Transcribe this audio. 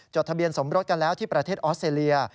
ทะเบียนสมรสกันแล้วที่ประเทศออสเตรเลีย